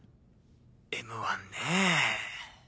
『Ｍ−１』ねぇ。